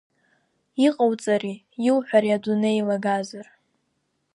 Иҟоуҵари, иуҳәари адунеи еилагазар.